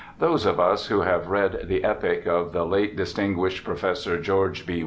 Those of us who have read the epic of the late distinguished Professor George B.